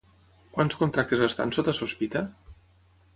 Quants contractes estan sota sospita?